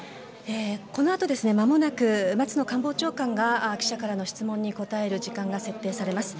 このあと、まもなく松野官房長官が記者からの質問に答える時間が設定されます。